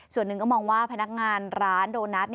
ส่วนหนึ่งก็มองว่าพนักงานร้านโดนัท